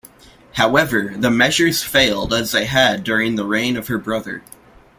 However, the measures failed as they had during the reign of her brother.